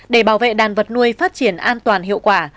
để bảo vệ đàn vật nuôi phát triển an toàn hiệu quả